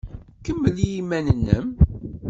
Kemmel i yiman-nnem.